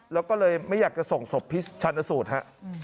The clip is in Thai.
แล้วก็เลยไม่อยากจะส่งศพพิชชันสูตรฮะ